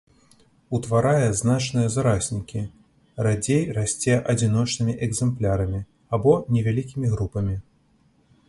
Утварае значныя зараснікі, радзей расце адзіночнымі экзэмплярамі або невялікімі групамі.